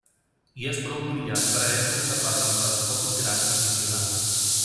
I és prou brillant per a ésser observat amb telescopis grans d'aficionat.